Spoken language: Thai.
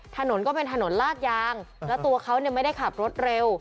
ถนนก็เป็นถนนลากยางแล้วตัวเขาไม่ได้ขับรถเร็ว